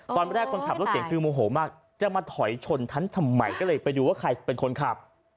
ตอนแรกคนขับรถเก่งคือโมโหมากจะมาถอยชนฉันทำไมก็เลยไปดูว่าใครเป็นคนขับ